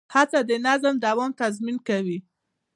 هڅه د نظم د دوام تضمین کوي.